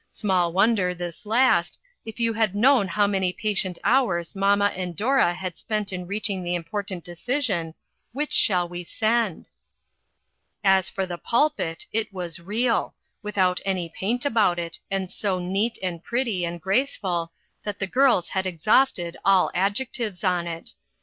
Small wonder, this last, if you had known how many pa tient hours mamma and Dora had spent in reaching the important decision, " Which shall we send?" As for the pulpit, it was "real*" without any paint about it, and so neat, and pretty, and graceful, that the girls had exhausted all adjectives on it.